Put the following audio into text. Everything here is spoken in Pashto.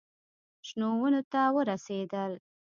شنو ونو ته ورسېدل.